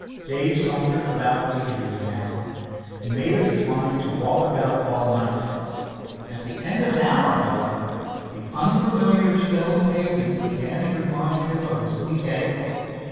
Dave sauntered about leisurely now. He made up his mind to walk about all night. At the end of an hour, however, the unfamiliar stone pavements began to remind him of his weak ankle.